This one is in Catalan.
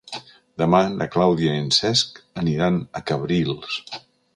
Demà na Clàudia i en Cesc aniran a Cabrils.